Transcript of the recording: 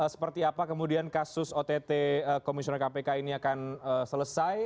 seperti apa kemudian kasus ott komisioner kpk ini akan selesai